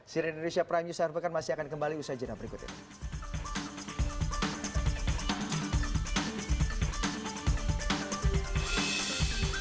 sirendra risha prime news saya harapkan masih akan kembali di usai jenam berikut ini